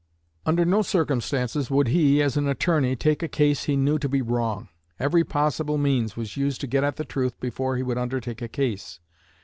"Under no circumstances would he, as an attorney, take a case he knew to be wrong. Every possible means was used to get at the truth before he would undertake a case.